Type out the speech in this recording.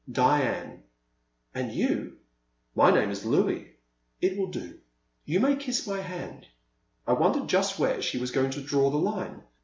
Diane." And you "My real name is I/)uis )>It will do ; you may kiss my hand." I wondered just where she was going to draw the line.